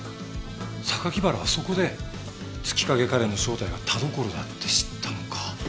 原はそこで月影カレンの正体が田所だって知ったのか。